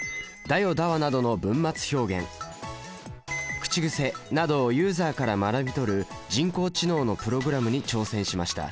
「だわ」などの文末表現口癖などをユーザーから学び取る人工知能のプログラムに挑戦しました。